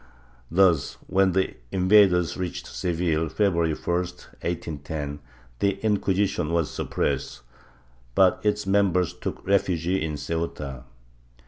Thus when the invaders reached Seville, February 1, 1810, the Inquisition was suppressed, but its members took refuge in Ceuta.